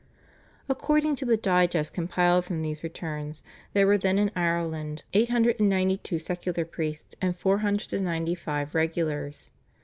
According to the digest compiled from these returns there were then in Ireland eight hundred and ninety two secular priests and four hundred and ninety five regulars.